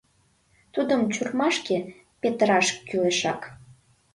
Тудым чурмашке петыраш кӱлешак...